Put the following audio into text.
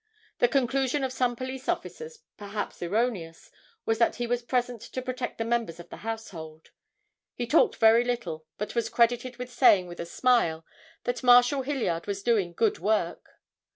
The conclusion of some police officers, perhaps erroneous, was that he was present to protect the members of the household. He talked very little but was credited with saying with a smile, that Marshal Hilliard was doing good work.